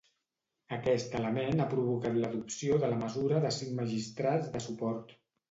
Aquest element ha provocat l'adopció de la mesura de cinc magistrats de suport.